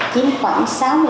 chiếm khoảng sáu mươi một